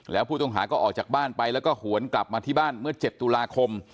แล้วผู้ต้องหาก็ออกจากบ้านไปแล้วก็หวนกลับมาที่บ้านเมื่อ๗ตุลาคม